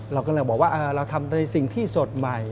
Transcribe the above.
เราก็เลยบอกว่าเราทำในสิ่งที่สดใหม่